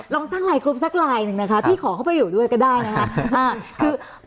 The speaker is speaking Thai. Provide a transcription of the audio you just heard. ลองสร้างลายกรุ๊ปสักลายหนึ่งนะคะพี่ขอเข้าไปอยู่ด้วยก็ได้นะคะ